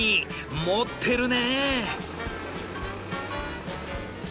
持ってるね！